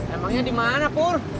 emangnya di mana pur